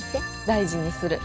大事にする。